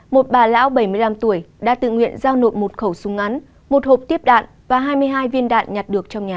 một bà lão bảy mươi năm tuổi đã tự nguyện giao nộp một khẩu súng ngắn một hộp tiếp đạn và hai mươi hai viên đạn nhặt được trong nhà